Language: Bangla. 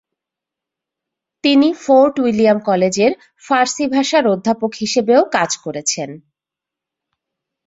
তিনি ফোর্ট উইলিয়াম কলেজের ফার্সি ভাষার অধ্যাপক হিসাবেও কাজ করেছেন।